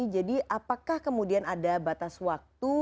jadi apakah kemudian ada batas waktu